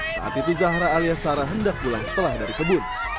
saat itu zahra alias sarah hendak pulang setelah dari kebun